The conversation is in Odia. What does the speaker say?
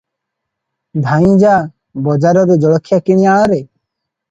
ଧାଇଁ ଯା ବଜାରରୁ ଜଳଖିଆ କିଣି ଆଣରେ ।"